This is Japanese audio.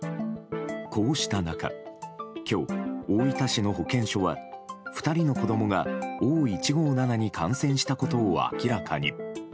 こうした中今日、大分市の保健所は２人の子供がＯ１５７に感染したことを明らかに。